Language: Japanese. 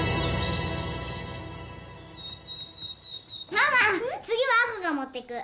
ママ次は亜子が持ってく。